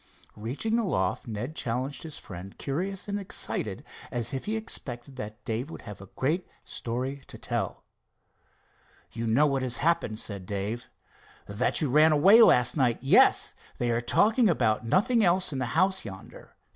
Reaching the loft Ned challenged his friend, curious and excited, as if he expected that Dave would have a great story to tell. "You know what has happened," said Dave. "That you ran away last night—yes. They are talking about nothing else in the house yonder.